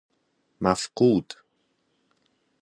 مفقود